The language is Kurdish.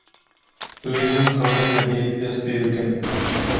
lê hûn karin bi hêdî dest pê bikin